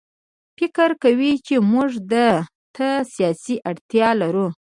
فکر کوي چې موږ ده ته سیاسي اړتیا لرو.